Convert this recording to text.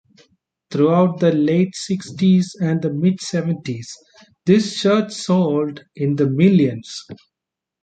Throughout the late sixties and mid seventies this shirt sold in the millions.